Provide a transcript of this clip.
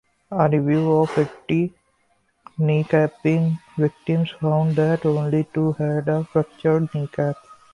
A review of eighty kneecapping victims found that only two had a fractured kneecap.